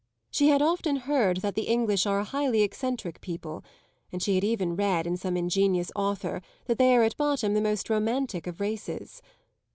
She had often heard that the English are a highly eccentric people, and she had even read in some ingenious author that they are at bottom the most romantic of races.